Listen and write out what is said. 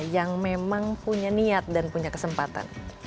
yang memang punya niat dan punya kesempatan